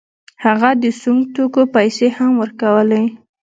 هغه د سونګ توکو پیسې هم ورکولې.